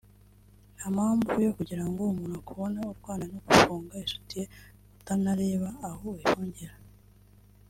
nta mpamvu yo kugira ngo umuntu akubone urwana no gufunga isutiye utanareba aho uyifungira